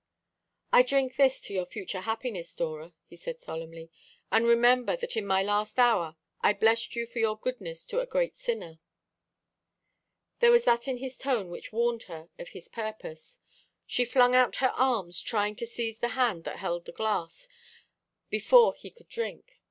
"I drink this to your future happiness, Dora," he said solemnly, "and remember that at my last hour I blessed you for your goodness to a great sinner." There was that in his tone which warned her of his purpose. She flung out her arms, trying to seize the hand that held the glass, before he could drink.